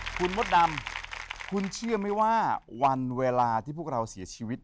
คุณมดดำคุณเชื่อไหมว่าวันเวลาที่พวกเราเสียชีวิต